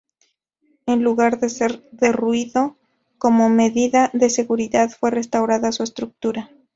En lugar de ser derruido, como medida de seguridad fue restaurada su estructura.